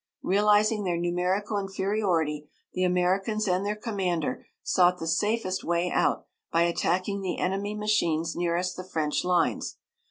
Realizing their numerical inferiority, the Americans and their commander sought the safest way out by attacking the enemy machines nearest the French lines.